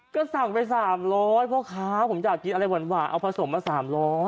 ก็สั่งไป๓๐๐พ่อค้าผมอยากกินอะไรหวานเอาผสมมา๓๐๐